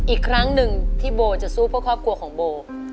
อีกครั้งหนึ่งที่โบจะสู้เพื่อครอบครัวของโบ